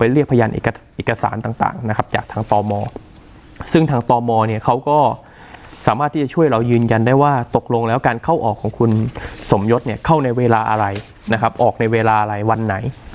แล้วการเข้าออกของคุณสมยศเข้าในเวลาอะไรออกในเวลาอะไรวันไหน